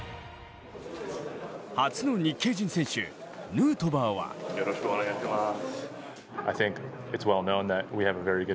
初の日系人選手ヌートバーはよろしくお願いします。